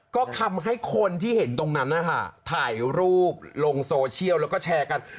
ก็ทำให้คนที่เห็นตรงนั้นนะคะถ่ายรูปลงโซเชียลแล้วก็แชร์กัน